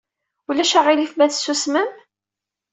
Ulac aɣilif ma tsusmem?